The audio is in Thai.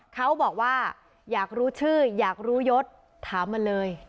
เขาบอกว่าอยากรู้ชื่ออยากรู้ยศถามมาเลย